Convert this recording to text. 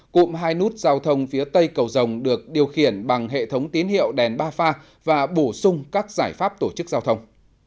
cụm hai nút giao thông phía tây cầu rồng được điều khiển bằng hệ thống tín hiệu đèn ba pha và bổ sung các giải pháp tổ chức giao thông